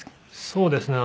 そうですね。